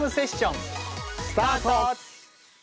スタート！